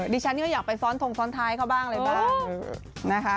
ดิฉันก็อยากไปฟ้อนทงซ้อนท้ายเขาบ้างอะไรบ้างนะคะ